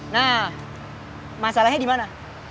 nah masalahnya dimana